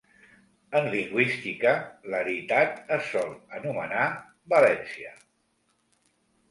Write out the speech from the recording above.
En lingüística, l'aritat es sol anomenar "valència".